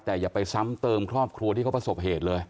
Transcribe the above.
แต่อย่าไปซ้ำเติมครอบครัวที่เขาประสบเหตุเลย